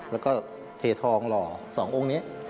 แล้วก็เททองหล่อ๒องค์นี้